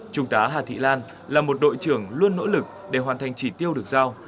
trung tá hà thị lan là một đội trưởng luôn nỗ lực để hoàn thành chỉ tiêu được giao